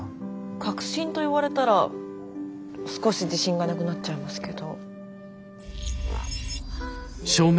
確信と言われたら少し自信がなくなっちゃいますけど。